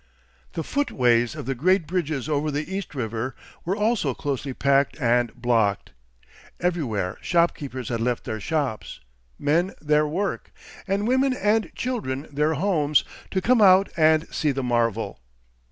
The footways of the great bridges over the East River were also closely packed and blocked. Everywhere shopkeepers had left their shops, men their work, and women and children their homes, to come out and see the marvel.